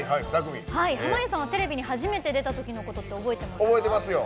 濱家さんはテレビに初めて出たときのことって覚えてますか？